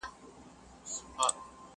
بیا یې نوی سپین کفن ورڅخه وړی؛